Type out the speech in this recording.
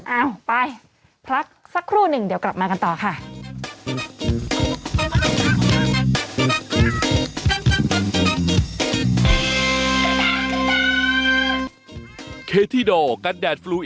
เอาไปพักสักครู่หนึ่งเดี๋ยวกลับมากันต่อค่ะ